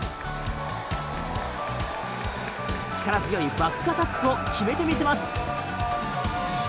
力強いバックアタックを決めてみせます。